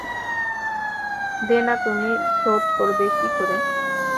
দেনা তুমি শোধ করবে কী করে।